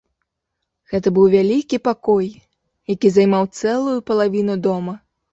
Гэта быў вялікі пакой, які займаў цэлую палавіну дома.